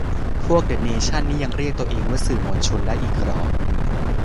พวกเดอะเนชั่นนี่ยังเรียกตัวเองว่าสื่อมวลชนได้อีกเหรอ